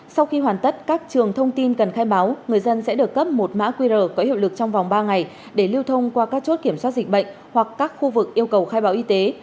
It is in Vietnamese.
sau khi hoàn tất các trường thông tin cần khai báo người dân sẽ được cấp một mã qr có hiệu lực trong vòng ba ngày để lưu thông qua các chốt kiểm soát dịch bệnh hoặc các khu vực yêu cầu khai báo y tế